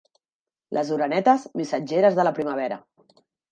Les orenetes, missatgeres de la primavera.